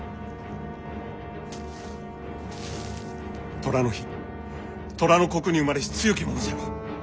寅の日寅の刻に生まれし強き者じゃろ。